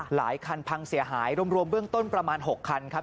หลายคันพังเสียหายรวมเบื้องต้นประมาณ๖คันครับ